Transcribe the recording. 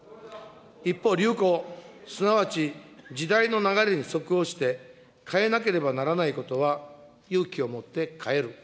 一方、流行、すなわち時代の流れに即応して、変えなければならないことは勇気を持って変える。